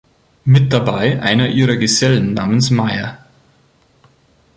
Mit dabei einer ihrer Gesellen namens Mayr.